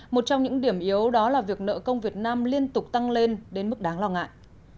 một trong những điểm yếu đó là việc nợ công việt nam liên tục tăng lên đến mức đáng lo ngại